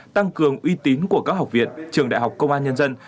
tăng cường uy tín của các học viện trường đại học công an nhân dân